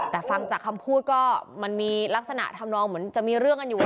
แต่ฟังจากคำพูดก็มันมีลักษณะทำนองเหมือนจะมีเรื่องกันอยู่